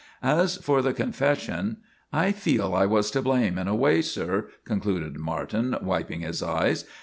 As for the confession: "I feel I was to blame in a way, sir," concluded Martin, wiping his eyes.